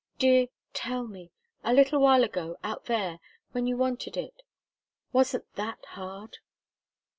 "Dear tell me! A little while ago out there when you wanted it wasn't that hard?"